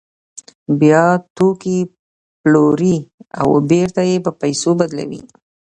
بیا توکي پلوري او بېرته یې په پیسو بدلوي